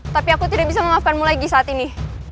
tapi aku tidak bisa memaafkanmu lagi saat ini